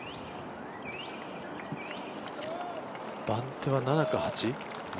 番手は７か８？